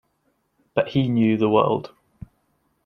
But he knew the world.